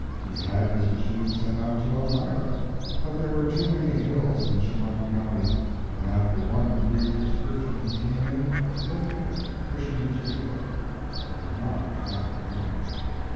He had his machine sent out to Elmira, but there were too many hills in Chemung County, and after one brief excursion he came in, limping and pushing his wheel, and did not try it again.